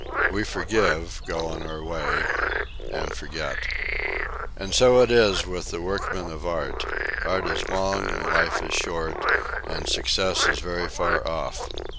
We forgive, go on our way and forget. And so it is with the workman of art. Art is long and life is short, and success is very far off.